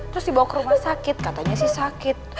terus dibawa ke rumah sakit katanya sih sakit